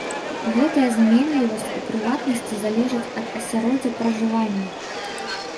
Гэтая зменлівасць у прыватнасці залежыць ад асяроддзя пражывання.